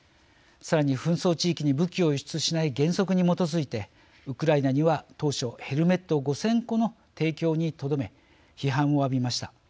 さらに紛争地域に武器を輸出しない原則に基づいてウクライナには当初ヘルメット５，０００個の提供にとどめ批判をあびました。